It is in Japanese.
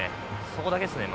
そこだけっすね